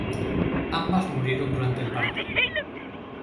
Ambas murieron durante el parto.